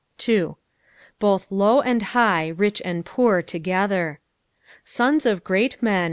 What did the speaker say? " 3. "Both hvj and high, rieh and poor, togethw." Bons of great men.